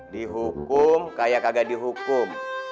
dihukum kayak kagak dihukum